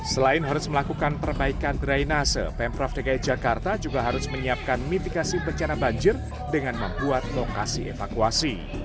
selain harus melakukan perbaikan drainase pemprov dki jakarta juga harus menyiapkan mitigasi bencana banjir dengan membuat lokasi evakuasi